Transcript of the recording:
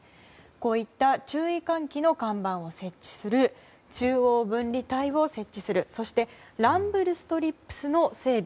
こういった注意喚起の看板を設置する中央分離帯を設置するそしてランブルストリップスの整備